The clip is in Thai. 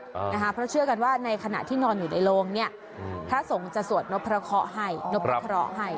เพราะเชื่อกันว่าในขณะที่นอนอยู่ในโรงพระสงฆ์จะสวดนพระเขาให้